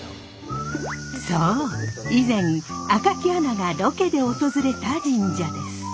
そう以前赤木アナがロケで訪れた神社です。